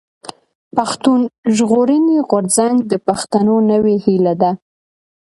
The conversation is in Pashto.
پښتون ژغورني غورځنګ د پښتنو نوې هيله ده.